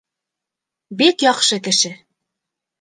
Бик яҡшы кеше.